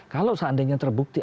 kalau seandainya terbukti